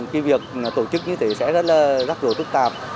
cái việc tổ chức như thế sẽ rất là rắc rối tức tạp